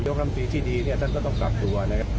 กรรมตรีที่ดีเนี่ยท่านก็ต้องกลับตัวนะครับ